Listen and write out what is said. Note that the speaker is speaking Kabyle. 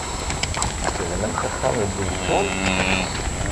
Tebnamt axxam deg Uzeffun?